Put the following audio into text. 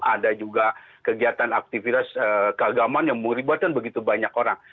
ada juga kegiatan aktivitas keagamaan yang meribatkan begitu banyak orang